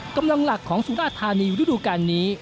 กำลังหลักของสุราธานีฤดูการนี้